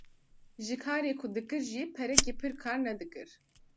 Ji karê ku dikir jî perekî pir kar nedikir